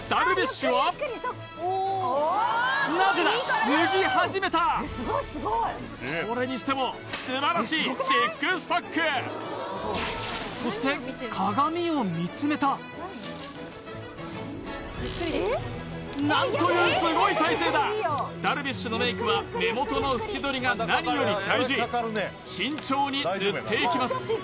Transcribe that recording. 酒はなぜだ脱ぎ始めたそれにしても素晴らしいシックスパックそして鏡を見つめたなんというすごい体勢だ樽美酒のメイクは目元の縁取りが何より大事慎重に塗っていきます